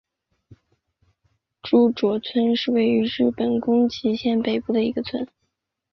诸冢村是位于日本宫崎县北部的一个村。